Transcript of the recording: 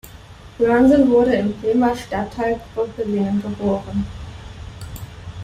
Böhrnsen wurde im Bremer Stadtteil Gröpelingen geboren.